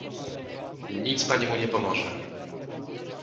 "Nic pani mu nie pomoże."